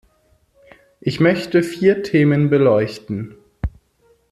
Ich möchte vier Themen beleuchten.